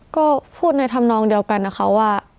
ก็พูดในทำนองเดียวกันนะเขาว่า